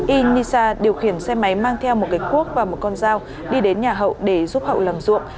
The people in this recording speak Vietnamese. inisa điều khiển xe máy mang theo một cái cuốc và một con dao đi đến nhà hậu để giúp hậu làm ruộng